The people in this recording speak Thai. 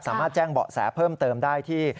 แจ้งเบาะแสเพิ่มเติมได้ที่